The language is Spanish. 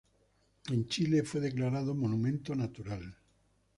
En Chile fue declarada Monumento Natural.